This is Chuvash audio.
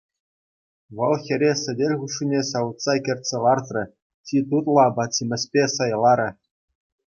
Вӑл хӗре сӗтел хушшине ҫавӑтса кӗртсе лартрӗ, чи тутлӑ апат-ҫимӗҫпе сӑйларӗ.